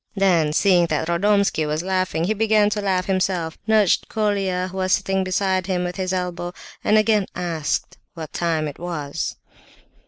Then seeing that Radomski was laughing, he began to laugh himself, nudged Colia, who was sitting beside him, with his elbow, and again asked what time it was.